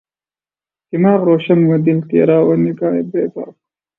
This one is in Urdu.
دماغ روشن و دل تیرہ و نگہ بیباک